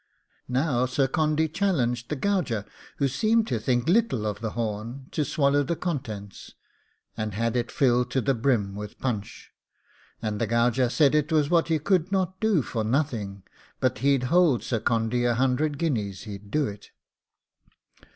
Now Sir Condy challenged the gauger, who seemed to think little of the horn, to swallow the contents, and had it filled to the brim with punch; and the gauger said it was what he could not do for nothing, but he'd hold Sir Condy a hundred guineas he'd do it.